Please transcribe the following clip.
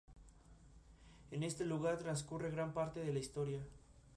En este lugar transcurre gran parte de la historia.